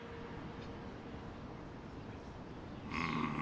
うん。